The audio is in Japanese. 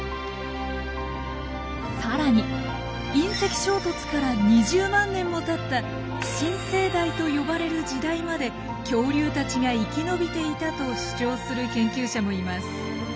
さらに隕石衝突から２０万年もたった新生代と呼ばれる時代まで恐竜たちが生き延びていたと主張する研究者もいます。